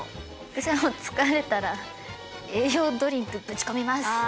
私は疲れたら栄養ドリンクぶち込みます。